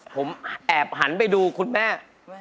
ผมแอบหันไปดูคุณแม่